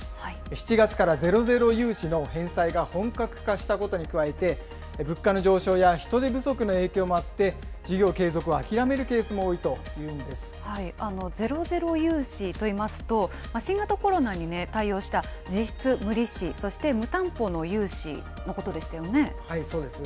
７月からゼロゼロ融資の返済が本格化したことに加えて、物価の上昇や人手不足の影響もあって、事業継続を諦めるケースも多いといゼロゼロ融資といいますと、新型コロナに対応した実質無利子そして無担保の融資のことでしたそうです。